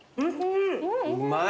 うまい。